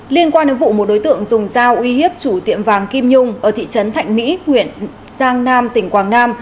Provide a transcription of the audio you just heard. liên quan đến vụ một đối tượng dùng dao uy hiếp chủ tiệm vàng kim nhung ở thị trấn thạnh mỹ huyện giang nam tỉnh quảng nam